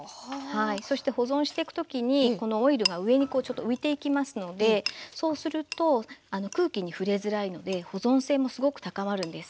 そして保存していく時にこのオイルが上にちょっと浮いていきますのでそうすると空気に触れづらいので保存性もすごく高まるんです。